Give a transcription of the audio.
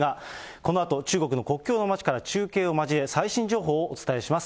このあと、中国の国境の街から中継を交え、最新情報をお伝えします。